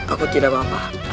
aku tidak apa apa